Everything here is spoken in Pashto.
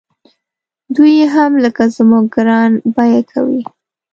دوی یې هم لکه زموږ ګران بیه کوي.